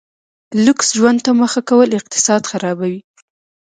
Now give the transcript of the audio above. لوکس ژوند ته مخه کول اقتصاد خرابوي.